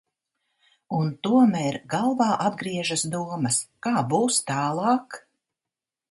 Un tomēr galvā atgriežas domas, kā būs tālāk?